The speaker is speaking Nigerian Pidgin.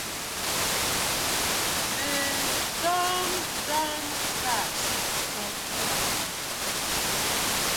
De don don gas for dier.